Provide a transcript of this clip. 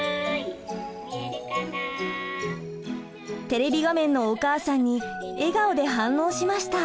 テレビ画面のお母さんに笑顔で反応しました！